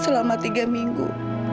selama tiga minggu